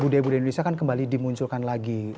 di indonesia kan kembali dimunculkan lagi